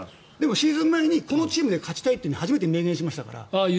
シーズン前にこのチームで勝ちたいと初めて明言しましたから。